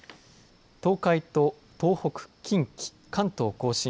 東海、と東北、近畿、関東甲信